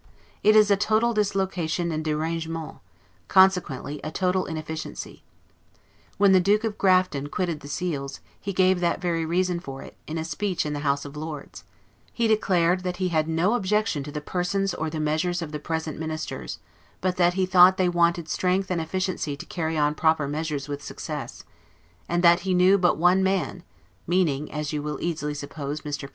It is a total dislocation and 'derangement'; consequently a total inefficiency. When the Duke of Grafton quitted the seals, he gave that very reason for it, in a speech in the House of Lords: he declared, "that he had no objection to the persons or the measures of the present Ministers; but that he thought they wanted strength and efficiency to carry on proper measures with success; and that he knew but one man MEANING, AS YOU WILL EASILY SUPPOSE, MR.